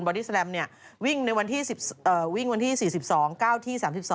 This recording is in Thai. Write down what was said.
บอดี้สแรมเนี่ยวิ่งในวันที่๔๒๙ที่๓๒